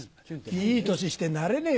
いい年してなれねえよ